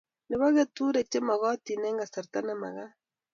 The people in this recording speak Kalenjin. Nebo keturek chemokotin eng kasarta ne magat